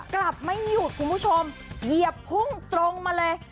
กลับไม่หยุดคุณผู้ชมเหยียบพุ่งตรงมาเลย